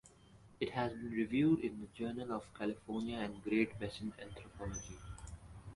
It has been reviewed in the Journal of California and Great Basin Anthropology.